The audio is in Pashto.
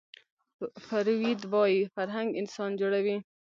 فروید وايي فرهنګ انسان جوړوي